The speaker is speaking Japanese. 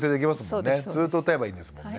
ずっと歌えばいいんですもんね。